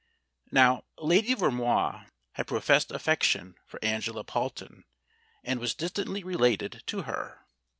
Now, Lady Vermoise had professed affection for Angela Palton, and was distantly related to her.